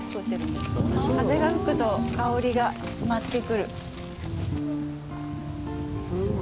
風が吹くと香りが舞ってくる。